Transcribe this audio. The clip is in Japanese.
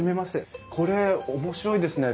これ面白いですね。